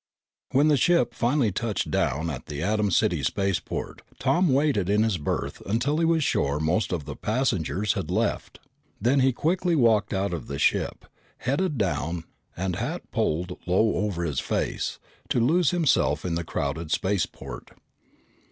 When the ship finally touched down at the Atom City spaceport, Tom waited in his berth until he was sure most of the passengers had left. Then he walked quickly out of the ship, head down and hat pulled low over his face, to lose himself in the crowded spaceport.